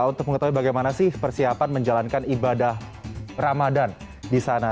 untuk mengetahui bagaimana sih persiapan menjalankan ibadah ramadan di sana